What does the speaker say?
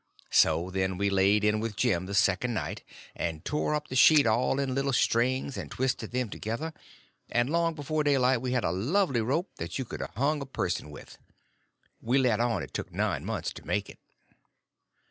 So then we laid in with Jim the second night, and tore up the sheet all in little strings and twisted them together, and long before daylight we had a lovely rope that you could a hung a person with. We let on it took nine months to make it.